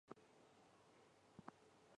蒙特内哥罗公国的首都位于采蒂涅。